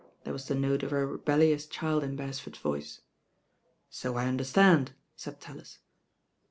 There was the note of a rcbeUious child in Beresford's voice. So I understand," said TaUis.